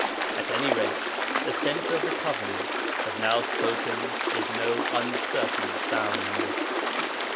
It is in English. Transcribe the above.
At any rate, the Centre of the Covenant has now spoken with no uncertain sound.